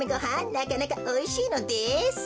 なかなかおいしいのです。